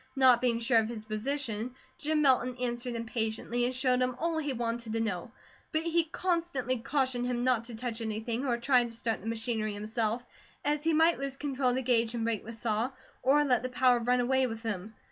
Not being sure of his position, Jim Milton answered him patiently, and showed him all he wanted to know; but he constantly cautioned him not to touch anything, or try to start the machinery himself, as he might lose control of the gauge and break the saw, or let the power run away with him.